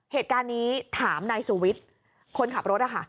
เหตุการณ์นี้ถามในสูวิตคนขับรถค่ะ